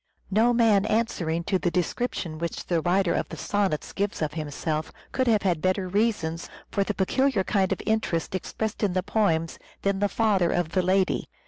No man answering to the description which the writer of the Sonnets gives of himself could have had better reasons for the peculiar kind of interest expressed in the poems than the father of the lady.